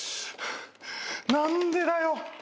何でだよ